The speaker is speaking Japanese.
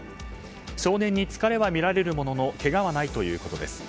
少年に疲れは見られるもののけがはないということです。